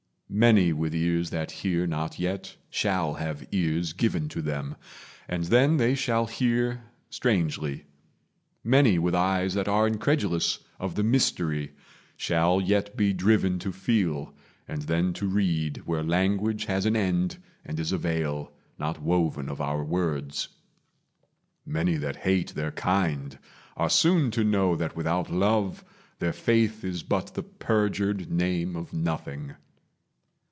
Many with ears That hear not yet, shall have ears given to them, And then they shall hear strangely. Many with eyes That are incredulous of the Mystery Shall yet be driven to feel, and then to read Where language has an end and is a veil, Not woven of our words. Many that hate Their kind are soon to know that without love Their faith is but the perjured name of nothing.